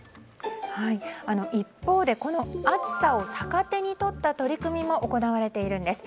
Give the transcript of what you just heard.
一方でこの暑さを逆手に取った取り組みも行われているんです。